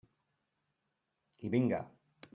I vinga.